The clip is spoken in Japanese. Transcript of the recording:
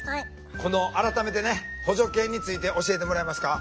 この改めてね補助犬について教えてもらえますか？